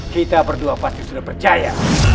kita berdua pasti sudah percaya